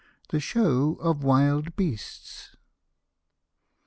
THE SHOW OP WILD BEASTS.